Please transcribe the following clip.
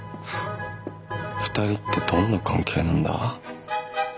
二人ってどんな関係なんだ？